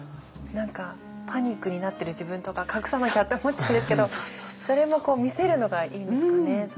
何かパニックになってる自分とか隠さなきゃって思っちゃうんですけどそれも見せるのがいいんですかね。